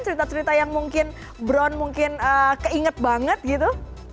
cerita cerita yang mungkin bron mungkin keinget banget gitu